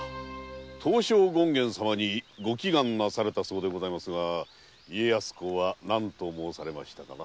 東照権現様にご祈願なされたそうですが家康公はなんと申されましたかな？